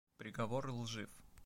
Приговор лжив.